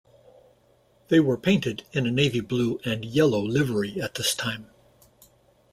They were painted in a navy-blue and yellow livery at this time.